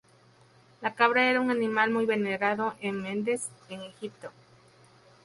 La cabra era un animal muy venerado en Mendes en Egipto.